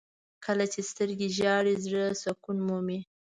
• کله چې سترګې ژاړي، زړه سکون مومي.